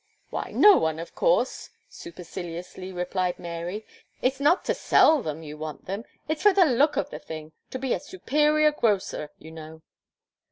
"Why no one, of course," superciliously replied Mary. "It's not to sell them, you want them; it's for the look of the thing to be a superior grocer, you know."